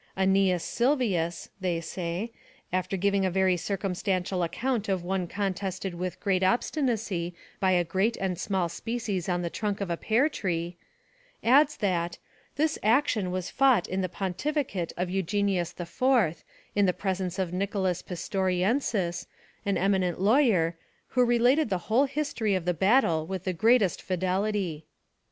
"Æneas Sylvius," say they, "after giving a very circumstantial account of one contested with great obstinacy by a great and small species on the trunk of a pear tree," adds that "'This action was fought in the pontificate of Eugenius the Fourth, in the presence of Nicholas Pistoriensis, an eminent lawyer, who related the whole history of the battle with the greatest fidelity.